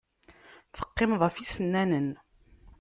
Teqqimeḍ ɣef yisennanen.